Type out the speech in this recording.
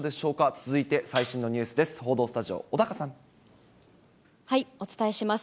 続いて最新のニュースです。